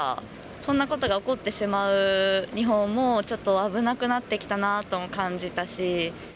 そんなことが起こってしまう日本も、ちょっと危なくなってきたなと感じたし。